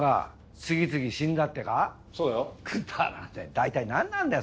大体なんなんだよ？